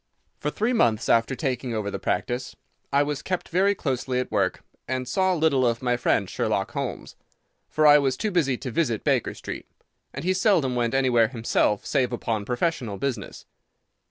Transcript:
For three months after taking over the practice I was kept very closely at work, and saw little of my friend Sherlock Holmes, for I was too busy to visit Baker Street, and he seldom went anywhere himself save upon professional business.